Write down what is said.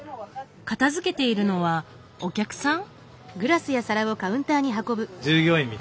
片づけているのはお客さん？